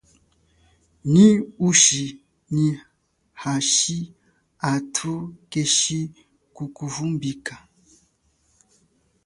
Nyi ushi nyi uhashi athu keshi kukuvumbika.